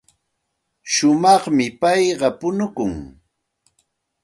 Shumaqmi payqa punukun.